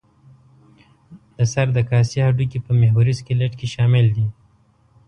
د سر د کاسې هډوکي په محوري سکلېټ کې شامل دي.